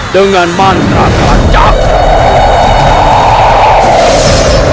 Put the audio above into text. dengan mantra keracau